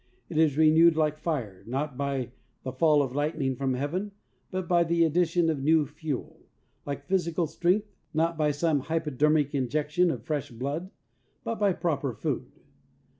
It is renewed like fire, not by the fall of lightning from Heaven, but by the addition of new fuel; like physical strength, not by some hypodermic injec tion of fresh blood, but by proper food.